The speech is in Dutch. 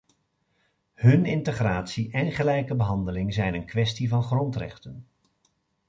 Hun integratie en gelijke behandeling zijn een kwestie van grondrechten.